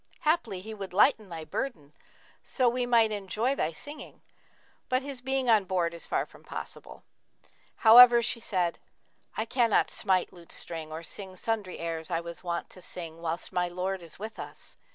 Haply he would lighten thy burthen, so we might enjoy thy singing: but his being on board is far from possible.' However she said, 'I cannot smite lute string or sing sundry airs I was wont to sing whilst my lord is with us.'